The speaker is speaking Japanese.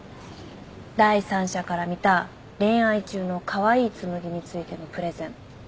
第三者から見た恋愛中のカワイイ紬についてのプレゼン。